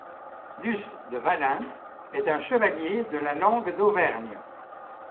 Luce de Vallins est un chevalier de la langue d'Auvergne.